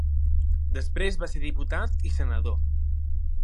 Després va ser diputat i senador.